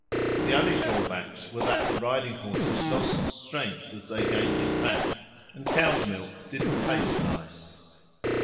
The only drawbacks were that the riding horses lost strength as they gained in fat, and cow's milk didn't taste nice.